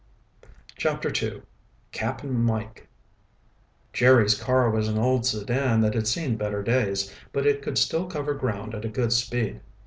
CHAPTER II Cap'n Mike Jerry's car was an old sedan that had seen better days, but it could still cover ground at a good speed.